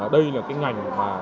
đây là cái ngành mà